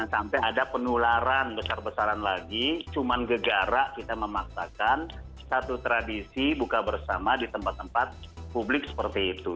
sampai ada penularan besar besaran lagi cuma gegarak kita memaksakan satu tradisi buka bersama di tempat tempat publik seperti itu